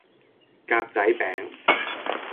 格仔餅